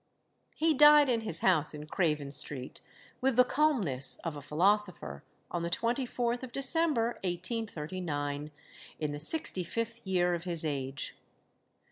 He died in his house in Craven Street, with the calmness of a philosopher, on the 24th of December 1839, in the sixty fifth year of his age.